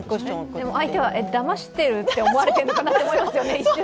相手はだましてるって思われてるのかなと思いますよね、一瞬。